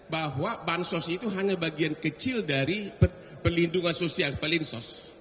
bahwa bansos itu hanya bagian kecil dari pelindungan sosial pelinsos